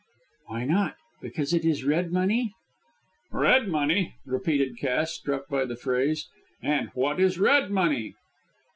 "Why not? Because it is red money?" "Red money!" repeated Cass, struck by the phrase, "and what is red money?"